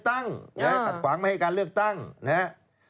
หัดขวางมาให้การเลือกตั้งนะฮะ